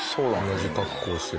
同じ格好してる。